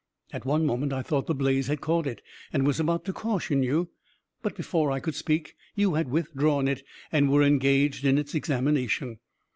At one moment I thought the blaze had caught it, and was about to caution you, but, before I could speak, you had withdrawn it, and were engaged in its examination.